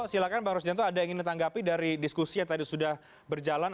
silahkan bang rusdianto ada yang ingin ditanggapi dari diskusi yang tadi sudah berjalan